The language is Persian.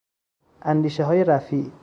اندیشههای رفیع